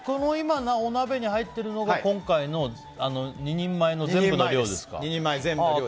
今、お鍋に入ってるのが今回の２人前の全部の量ですか。